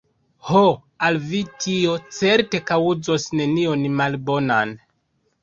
Ho, al vi tio certe kaŭzos nenion malbonan!